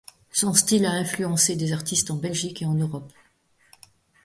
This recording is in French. Son style a influencé des artistes en Belgique et en Europe.